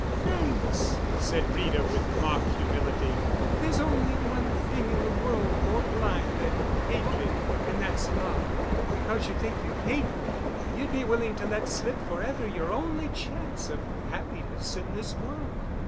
"Thanks," said Rita with mock humility. "There's only one thing in the world more blind than hatred, and that's love. Because you think you hate me, you'd be willing to let slip forever your only chance of happiness in this world."